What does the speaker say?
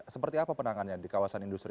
seperti apa penanganannya di kawasan industri